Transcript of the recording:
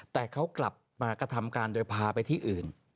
แต่เขากลับมากระทำการโดยพาไปที่อื่น